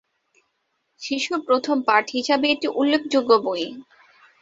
শিশুর প্রথম পাঠ হিসেবে এটি উল্লেখযোগ্য বই।